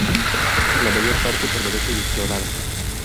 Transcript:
La mayor parte permanece inexplorada.